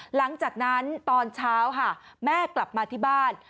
หลังจากนั้นตอนเช้าค่ะแม่กลับมาที่บ้าน